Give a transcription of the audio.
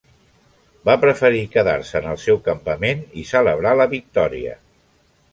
Va preferir quedar-se en el seu campament i celebrar la victòria.